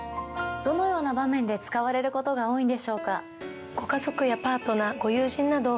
どのような場面で使われることが多いんでしょうか？